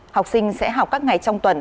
học sinh sẽ học các ngày trong tuần